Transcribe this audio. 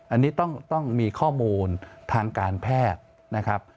อันนี้ต้องมีข้อมูลทางการแพทย์นะครับ